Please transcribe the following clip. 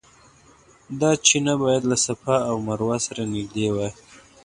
دا چینه باید له صفا او مروه سره نږدې وای.